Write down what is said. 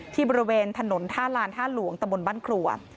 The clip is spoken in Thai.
บริเวณถนนท่าลานท่าหลวงตะบนบ้านครัว